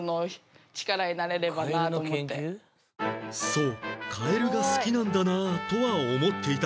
そうカエルが好きなんだなあとは思っていたが